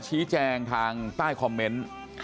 ชี้แจงทางใต้คอมเมนต์